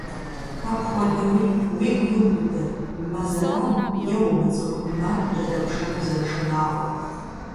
Апхуэдэуи уигу иубыдэ, мэ зэран е умыцӀыху мэ жьэдэпшэныр зэрышынагъуэр.